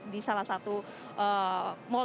di salah satu mobil